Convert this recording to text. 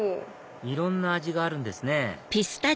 いろんな味があるんですね